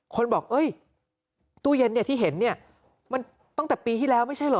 คนบอกตู้เย็นที่เห็นเนี่ยมันตั้งแต่ปีที่แล้วไม่ใช่เหรอ